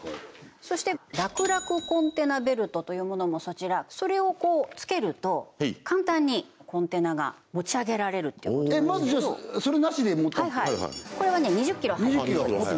そしてらくらくコンテナベルトというものもそちらそれをこうつけると簡単にコンテナが持ち上げられるっていうことなんですけどまずじゃあそれなしで持ってみてこれはね２０ｋｇ入ってます